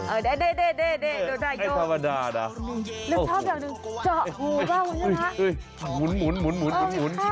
เอาอีกข้าวให้ดูสิ